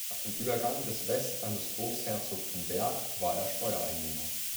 Nach dem Übergang des Vest an das Großherzogtum Berg war er Steuereinnehmer.